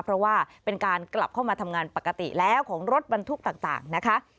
เพราะว่าเป็นการกลับเข้ามาทำงานปกติแล้วของรถบรรทุกต่างนะคะ